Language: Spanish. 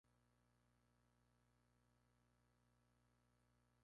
Sus planos arenosos, frente al litoral, corresponden a zonas inundables y esteros.